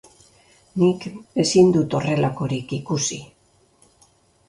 Nik ezin dut horrelakorik ikusi.